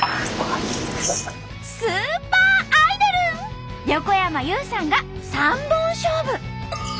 スーパーアイドル横山裕さんが三本勝負！